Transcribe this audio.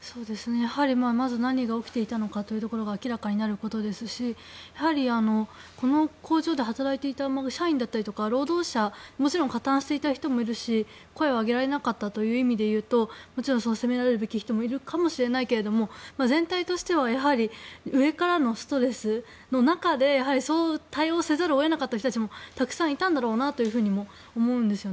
まず何が起きていたのかというところが明らかになることですしやはりこの工場で働いていた社員や労働者もちろん加担していた人もいるし声を上げられなかったという意味で言うと責められるべき人もいるかもしれないけど全体としては上からのストレスの中でそう対応せざるを得なかった人たちもたくさんいたんだろうなと思うんです。